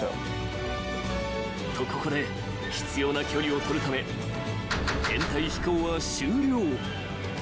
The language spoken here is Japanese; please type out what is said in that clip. ［とここで必要な距離を取るため編隊飛行は終了］